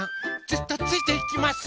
ずっとついていきます。